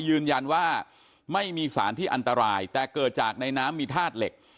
ยืนยันว่าไม่มีสารที่อันตรายแต่เกิดจากในน้ำมีธาตุเหล็ก